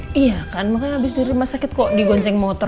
iya kan abis diri mas sakit kok digonceng motor